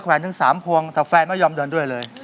ถึง๓พวงแต่แฟนไม่ยอมเดินด้วยเลย